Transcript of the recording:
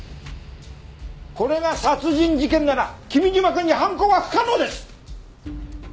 これが殺人事件なら君嶋くんに犯行は不可能です！